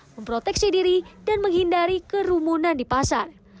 memproteksi diri dan menghindari kerumunan di pasar